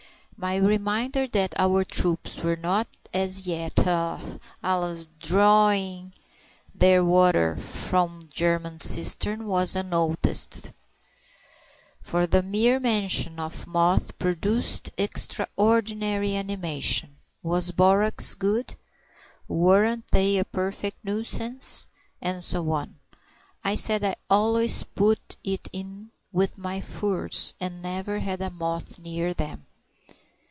My reminder that our troops were not as yet, alas! drawing their water from German cisterns was unnoticed; for the mere mention of moth produced extraordinary animation. Was borax good? Weren't they a perfect nuisance? and so on. I said I always put it in with my furs, and never had a moth near them.